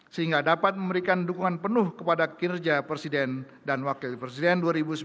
sehingga dapat memberikan dukungan penuh kepada kinerja presiden dan wakil presiden dua ribu sembilan belas dua ribu dua puluh empat